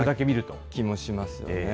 気もしますよね。